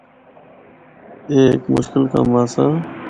اے ہک مشکل کم آسا۔